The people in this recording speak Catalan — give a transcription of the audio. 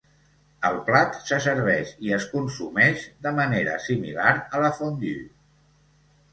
El plat se serveix i es consumeix de manera similar a la fondue.